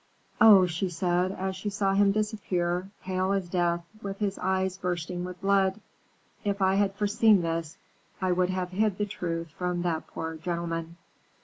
"Oh!" she said, as she saw him disappear, pale as death, and his eyes bursting with blood, "if I had foreseen this, I would have hid the truth from that poor gentleman."